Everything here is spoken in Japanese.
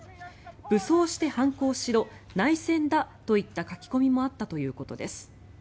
武装して反抗しろ内戦だといった書き込みもあったということです。